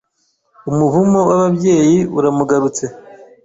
Umuvumo w'ababyeyi uramugarutse